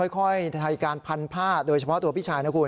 ค่อยไทยการพันผ้าโดยเฉพาะตัวพี่ชายนะคุณ